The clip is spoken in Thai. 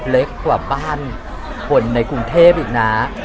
เล็กกว่าบ้านคนในกรุงเทพอีกนะ